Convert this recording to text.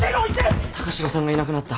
高城さんがいなくなった。